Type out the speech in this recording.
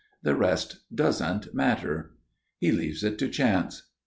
The rest doesn't matter. He leaves it to chance.